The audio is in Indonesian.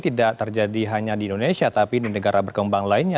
tidak terjadi hanya di indonesia tapi di negara berkembang lainnya